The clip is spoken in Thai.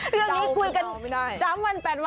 เรื่องนี้คุยกัน๓วัน๘วัน